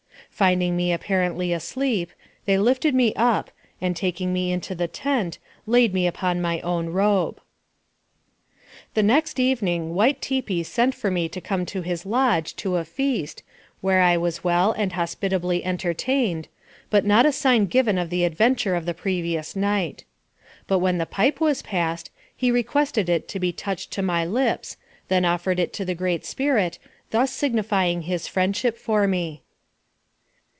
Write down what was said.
Finding me apparently asleep, they lifted me up, and taking me into the tent, laid me upon my own robe. The next evening White Tipi sent for me to come to his lodge, to a feast, where I was well and hospitably entertained, but not a sign given of the adventure of the previous night. But when the pipe was passed, he requested it to be touched to my lips, then offered it to the Great Spirit, thus signifying his friendship for me.